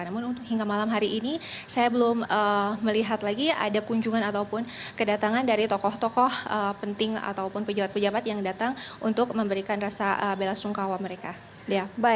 namun hingga malam hari ini saya belum melihat lagi ada kunjungan ataupun kedatangan dari tokoh tokoh penting ataupun pejabat pejabat yang datang untuk memberikan rasa bela sungkawa mereka